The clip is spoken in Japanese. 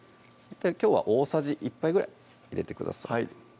きょうは大さじ１杯ぐらい入れてください